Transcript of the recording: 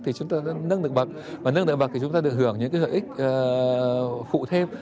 thì chúng ta nâng được bậc và nâng được bậc thì chúng ta được hưởng những cái hợp ích phụ thêm